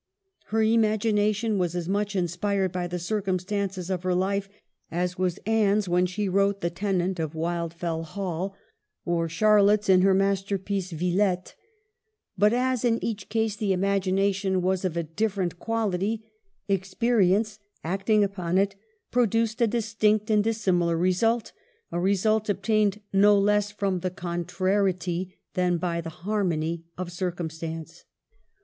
Her imagination was as much inspired by the circumstances of her life, as was Anne's when she wrote the 'Tenant of Wildfell Hall,' 1 'Memoir.' Charlotte Bronte. 2 i o EMIL Y BRONTE. or Charlotte's in her masterpiece 'Villette'; but, as in each case the imagination was of a different quality, experience, acting upon it, pro duced a distinct and dissimilar result ; a result obtained no less by the contrariety than by the harmony of circumstance.